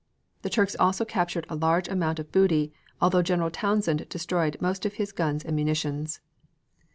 The Turks also captured a large amount of booty, although General Townshend destroyed most of his guns and munitions.